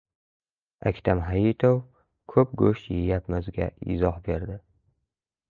Aktam Hayitov «ko‘p go‘sht yeyapmiz»ga izoh berdi